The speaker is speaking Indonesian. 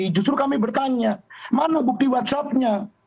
justru kami bertanya mana bukti whatsappnya